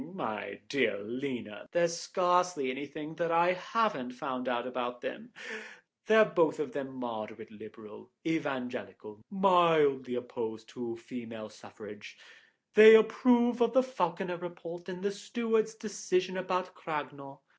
My dear Lena, there's scarcely anything that I haven't found out about them. They're both of them moderate Liberal, Evangelical, mildly opposed to female suffrage, they approve of the Falconer Report, and the Stewards' decision about Craganour.